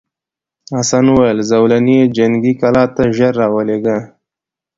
حسن وویل زولنې جنګي کلا ته ژر راولېږه.